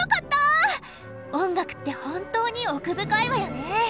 音楽って本当に奥深いわよねぇ。